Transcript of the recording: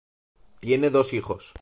Tiene dos hijos.